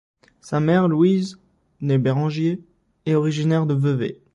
Sa mère Louise, née Bérengier, est originaire de Vevey.